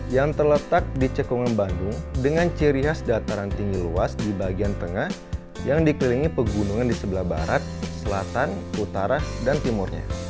yang terletak di cekungan bandung dengan ciri khas dataran tinggi luas di bagian tengah yang dikelilingi pegunungan di sebelah barat selatan utara dan timurnya